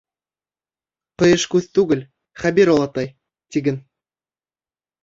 — Ҡыйышкүҙ түгел, Хәбир олатай, тиген.